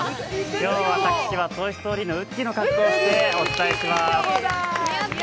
今日は「トイ・ストーリー」のウッディの格好をしてお伝えします。